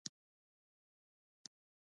د هڅې لپاره څه شی اړین دی؟